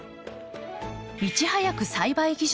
いち早く栽培技術を学び